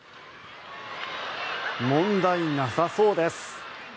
問題なさそうです。